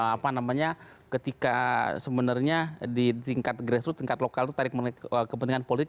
apa namanya ketika sebenarnya di tingkat grassroots tingkat lokal itu tarik menarik kepentingan politik